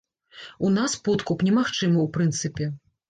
У нас подкуп немагчымы ў прынцыпе.